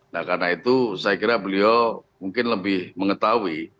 nah karena itu saya kira beliau mungkin lebih mengetahui